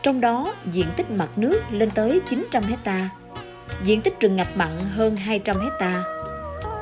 trong đó diện tích mặt nước lên tới chín trăm linh hectare diện tích rừng ngập mặn hơn hai trăm linh hectare